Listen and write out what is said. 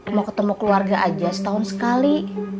mau ketemu keluarga aja setahun sekali